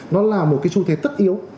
nó là một cái xu thế tất yếu